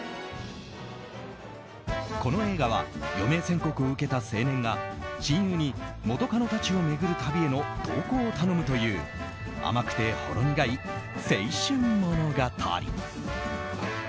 この映画は余命宣告を受けた青年が親友に元カノたちを巡る旅への同行を頼むという甘くてほろ苦い青春物語。